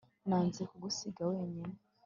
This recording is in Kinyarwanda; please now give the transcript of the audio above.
Nanze kugusiga wenyine